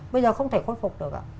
bây giờ không thể khôi phục được ạ